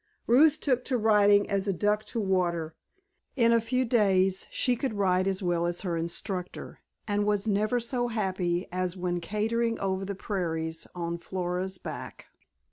Ruth took to riding as a duck to water. In a few days she could ride as well as her instructor, and was never so happy as when cantering over the prairies on Flora's back.